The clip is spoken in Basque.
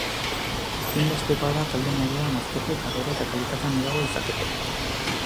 Ezinbestekoa da talde moduan hazteko eta gero eta kalitate handiagoa izateko.